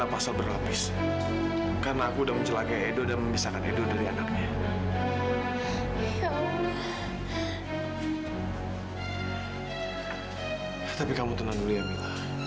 mila akan selalu mendoakan kak fadil